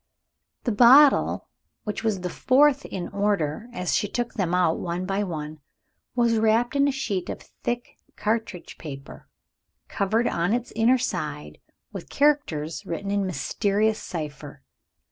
The bottle which was the fourth in order, as she took them out one by one, was wrapped in a sheet of thick cartridge paper, covered on its inner side with characters written in mysterious cipher.